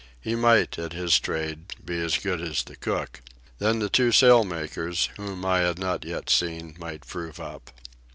He might, at his trade, be as good as the cook. Then the two sailmakers, whom I had not yet seen, might prove up.